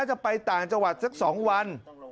จะไปต่างจังหวัดสัก๒วัน